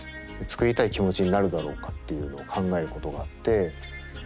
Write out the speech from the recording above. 作りたい気持ちになるだろうかっていうのを考えることがあって。